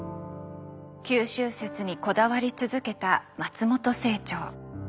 九州説にこだわり続けた松本清張。